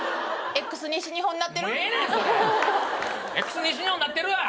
Ｘ西日本なってるわ！